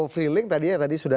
per baita dulu